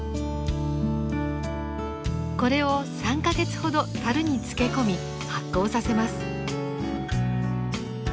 これを３か月ほど樽に漬け込み発酵させます。